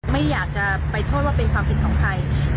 ไม่อยากจะไปโทษว่าเป็นความผิดของใคร